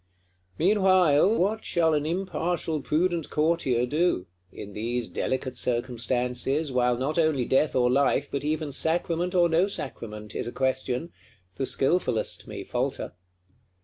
Meanwhile, what shall an impartial prudent Courtier do? In these delicate circumstances, while not only death or life, but even sacrament or no sacrament, is a question, the skilfulest may falter.